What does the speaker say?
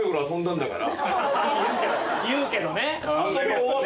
言うけどね。